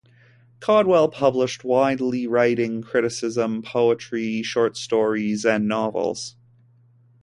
Caudwell published widely, writing criticism, poetry, short stories and novels.